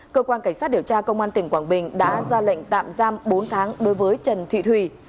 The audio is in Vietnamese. cơ quan cảnh sát điều tra công an tỉnh quảng bình đã ra lệnh tạm giam bốn tháng đối với trần thị thùy